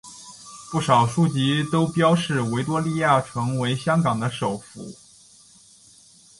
不少书籍都标示维多利亚城为香港的首府。